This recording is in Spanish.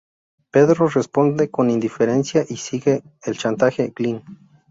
Pedro responde con indiferencia, y sigue el chantaje Glynn.